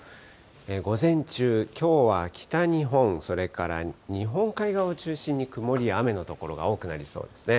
午前中、きょうは北日本、それから日本海側を中心に、曇りや雨の所が多くなりそうですね。